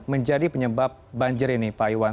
menjadi penyebab banjir ini pak iwan